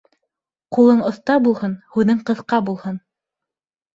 Ҡулың оҫта булһын, һүҙең ҡыҫҡа булһын.